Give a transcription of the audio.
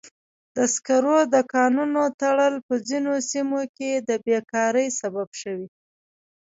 د سکرو د کانونو تړل په ځینو سیمو کې د بیکارۍ سبب شوی.